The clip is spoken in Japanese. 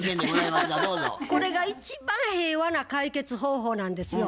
これが一番平和な解決方法なんですよ。